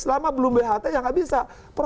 selama belum bht ya nggak bisa